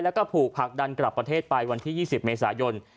แล้วก็ถูกผลักดันกลับประเทศไปวันที่๒๐เมษายน